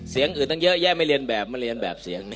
เสียงชุดทั้งเยอะ